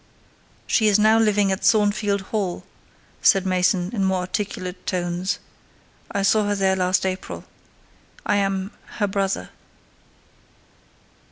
"She is now living at Thornfield Hall," said Mason, in more articulate tones: "I saw her there last April. I am her brother."